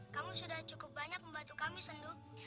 kamu sudah cukup banyak membantu kami senduk